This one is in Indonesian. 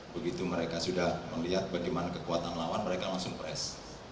begitu mereka sudah melihat bagaimana kekuatan lawan mereka langsung press